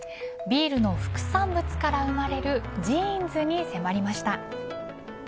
ビールの副産物から生まれるジーンズに迫りました。